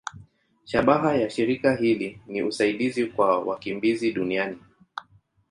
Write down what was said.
Shabaha ya shirika hili ni usaidizi kwa wakimbizi duniani.